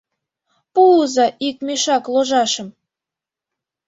Пуыза ик мешак ложашым!